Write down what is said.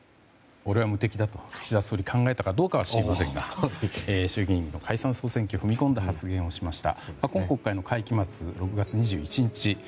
俺は無敵だと岸田総理、考えたかどうかはしりませんが衆議院の解散・総選挙に踏み込んだ発言をしました。